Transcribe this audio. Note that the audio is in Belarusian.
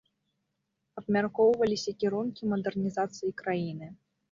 Абмяркоўваліся кірункі мадэрнізацыі краіны.